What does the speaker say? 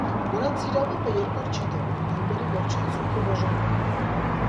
Նրանց սիրավեպը երկար չի տևել, նոյեմբերի վերջին զույգը բաժանվել է։